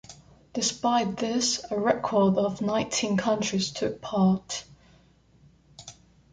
Despite this, a record of nineteen countries took part.